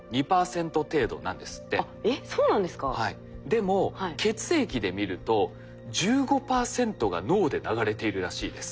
でも血液で見ると１５％が脳で流れているらしいです。